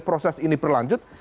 proses ini berlanjut